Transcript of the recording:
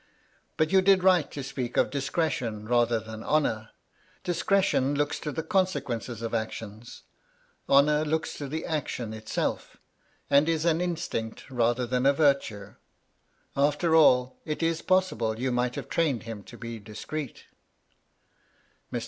But you did right to speak of discretion rather than honour. Discretion looks to the consequences of actions — ^honour looks to the action itself, and is an instinct rather than a virtue. After all, it is possible, you might have trained him to be discreet." Mr.